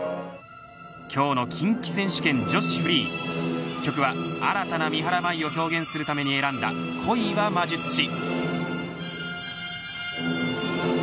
今日の近畿選手権女子フリー曲は新たな三原舞依を表現するために選んだ恋は魔術師。